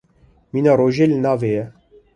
Mîna rojê li navê ye.